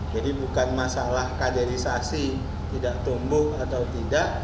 jadi bukan masalah kaderisasi tidak tumbuh atau tidak